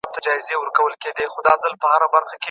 څونه وخت غواړي چي دغه نرمغالی پوره کار وکړي؟